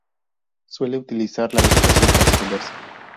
Suele utilizar la vegetación para esconderse.